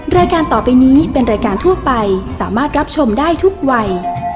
รายการต่อไปนี้เป็นรายการทั่วไปสามารถรับชมได้ทุกวัย